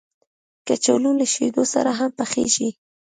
کچالو له شیدو سره هم پخېږي